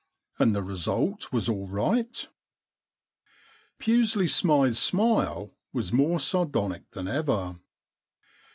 And the result was all right ?' Pusely Smythe's smile was more sardonic than ever.